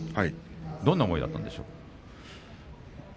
どんな思いだったんですか。